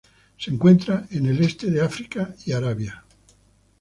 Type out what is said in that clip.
Se encuentra en el este de África y Arabia.